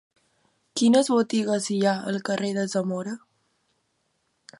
Quines botigues hi ha al carrer de Zamora?